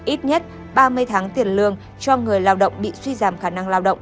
ít nhất ba mươi tháng tiền lương cho người lao động bị suy giảm khả năng lao động